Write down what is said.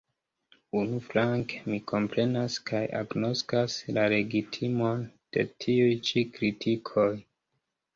Unuflanke, mi komprenas kaj agnoskas la legitimon de tiuj ĉi kritikoj.